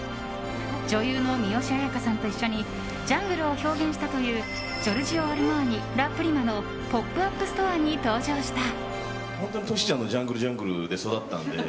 女優の三吉彩花さんと一緒にジャングルを表現したというジョルジオアルマーニラプリマのポップアップストアに登場した。